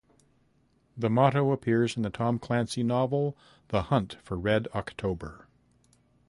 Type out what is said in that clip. The motto appears in the Tom Clancy novel, "The Hunt for Red October".